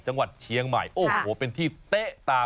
จังหวัดเชียงใหม่โอ้โหเป็นที่เต๊ะตา